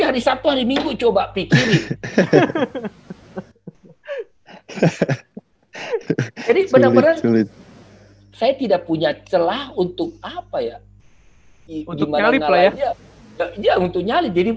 hari sabtu hari minggu coba pikirin